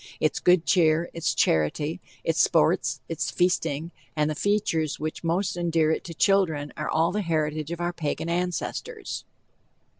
Its good cheer, its charity, its sports, its feasting, and the features which most endear it to children are all the heritage of our Pagan ancestors.